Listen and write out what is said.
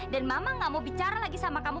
dan mama gak mau bicara lagi sama kamu